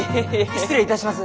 失礼いたします。